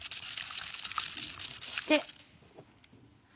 そして。